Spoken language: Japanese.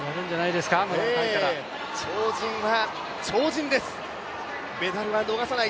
超人は超人です、メダルは逃さない